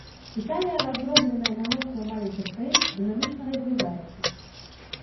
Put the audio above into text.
Італія, раздробленая на мноства маленькіх краін, дынамічна развіваецца.